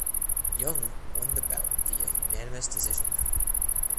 Jung won the bout via unanimous decision.